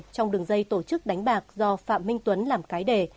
trong đường dây tổ chức đánh bạc do phạm minh tuấn làm cái đề